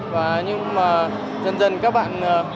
và nhưng mà dần dần các bạn